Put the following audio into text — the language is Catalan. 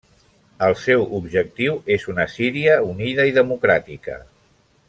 El seu objectiu és una Síria unida i democràtica.